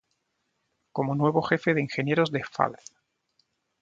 Como nuevo jefe de ingenieros de Pfalz.